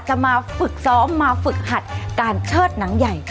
มาฝึกซ้อมมาฝึกหัดการเชิดหนังใหญ่ค่ะ